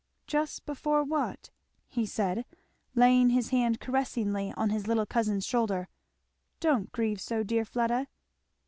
"Just before what?" said he, laying his hand caressingly on his little cousin's shoulder; "Don't grieve so, dear Fleda!"